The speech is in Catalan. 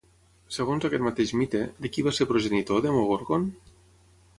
Segons aquest mateix mite, de qui va ser progenitor Demogorgon?